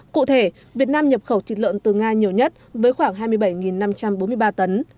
cụ thể việt nam nhập khẩu thịt lợn từ nga nhiều nhất với khoảng hai mươi bảy năm trăm bốn mươi ba tấn